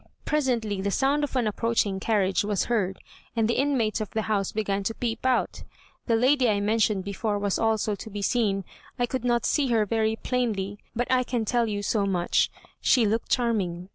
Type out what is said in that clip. Presently the sound of an approaching carriage was heard, and the inmates of the house began to peep out. The lady I mentioned before was also to be seen; I could not see her very plainly, but I can tell you so much: she looked charming.